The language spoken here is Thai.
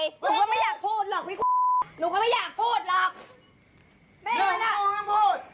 หนูก็ไม่อยากพูดหรอกพี่หนูก็ไม่อยากพูดหรอก